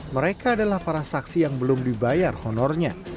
mereka adalah para saksi yang belum dibayar honornya